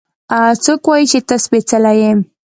څوک وايي چې ته سپېڅلې يې؟